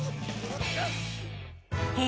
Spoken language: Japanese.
え？